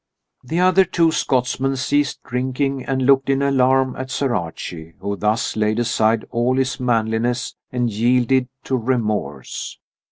The other two Scotsmen ceased drinking and looked in alarm at Sir Archie, who thus laid aside all his manliness and yielded to remorse.